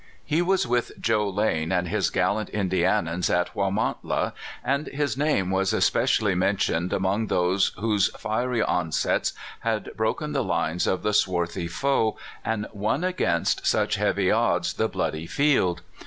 He was with 250 CALIFORNIA SKETCHES. Joe Lane and his gallant Indianians at Juamant la, and his name was specially mentioned among those whose fiery onsets had broken the lines of the swarthy foe, and won against such heavy odds the bloody field.